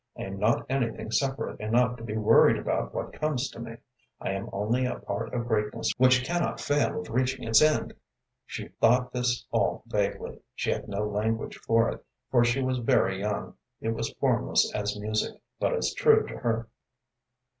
"I am not anything separate enough to be worried about what comes to me. I am only a part of greatness which cannot fail of reaching its end." She thought this all vaguely. She had no language for it, for she was very young; it was formless as music, but as true to her.